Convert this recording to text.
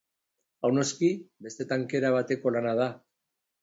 Hau noski beste tankera bateko lana da.